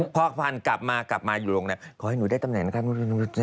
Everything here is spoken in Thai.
พ่อพรรณกลับมาอยู่โรงแรมขอให้หนูได้ตำแหน่งนะคะ